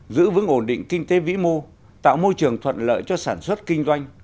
giữ vững ổn định kinh tế vĩ mô tạo môi trường thuận lợi cho sản xuất kinh doanh